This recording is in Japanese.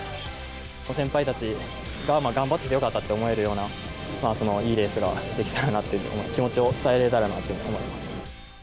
先輩たちが頑張っててよかったって思えるような、いいレースができたらなと、気持ちを伝えられたらなと思います。